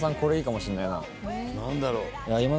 何だろう？